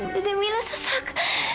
beda mila sesak